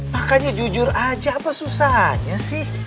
makanya jujur aja apa susahnya sih